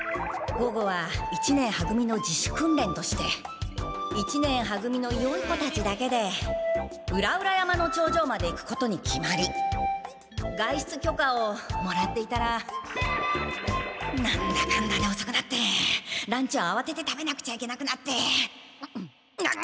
午後は一年は組の自主訓練として一年は組のよい子たちだけで裏々山の頂上まで行くことに決まり外出許可をもらっていたら何だかんだでおそくなってランチをあわてて食べなくちゃいけなくなって。